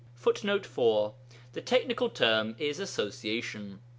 [Footnote 4: The technical term is 'association.'